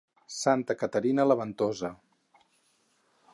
Santa Caterina, la ventosa.